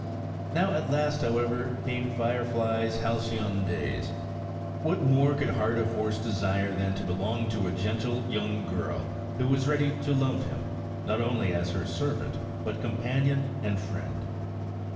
Now at last, however, came Firefly's halcyon days. What more could heart of horse desire than to belong to a gentle young girl, who was ready to love him, not only as her servant but companion and friend?